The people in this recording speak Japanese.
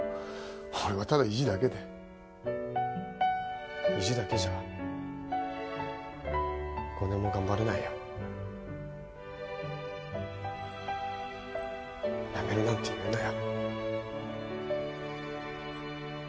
俺はただ意地だけで意地だけじゃ５年もがんばれないよ辞めるなんて言うなよ